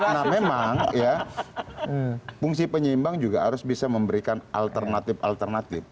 nah memang ya fungsi penyeimbang juga harus bisa memberikan alternatif alternatif